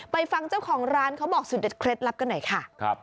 ฟังเจ้าของร้านเขาบอกสุดเด็ดเคล็ดลับกันหน่อยค่ะ